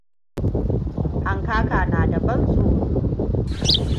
Hankaka na da ban tsoro.